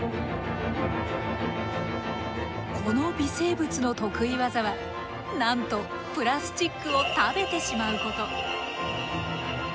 この微生物の得意技はなんとプラスチックを食べてしまうこと。